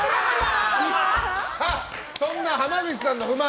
そんな浜口さんの不満。